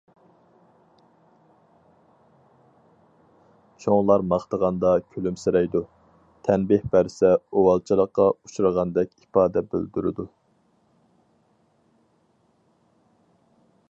چوڭلار ماختىغاندا كۈلۈمسىرەيدۇ، تەنبىھ بەرسە ئۇۋالچىلىققا ئۇچرىغاندەك ئىپادە بىلدۈرىدۇ.